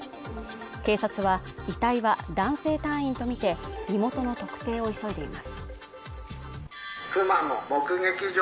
警察は、遺体は男性隊員とみて、身元の特定を急いでいます。